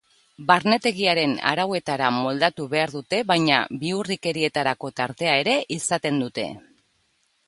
Barnetegiaren arauetara moldatu behar dute baina bihurrikerietarako tartea ere izaten dute.